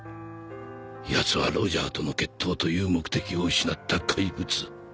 やつはロジャーとの決闘という目的を失った怪物。